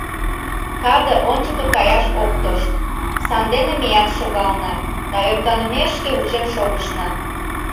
Кады ончыко каяш ок тошт, сандене меат шогална да ӧрканымешке вучен шогышна.